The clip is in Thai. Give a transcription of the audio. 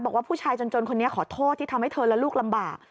บอกว่าผู้ชายจนคนนี้ขอโทษที่ทำให้เธอและลูกลำบาก